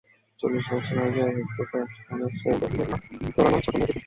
চল্লিশ বছর আগের এসএসসি পাস করা সেই বেণি দোলানো ছোট্ট মেয়েটার দিকে।